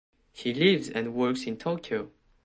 He lives and works in Tokyo.